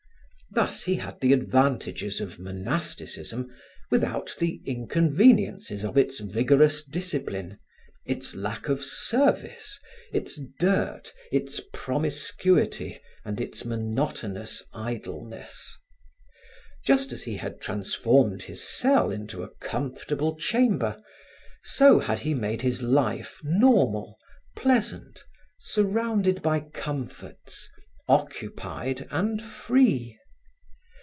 Thus he had the advantages of monasticism without the inconveniences of its vigorous discipline, its lack of service, its dirt, its promiscuity and its monotonous idleness. Just as he had transformed his cell into a comfortable chamber, so had he made his life normal, pleasant, surrounded by comforts, occupied and free.